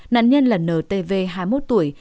nạn nhân là ntv hai mươi một tuổi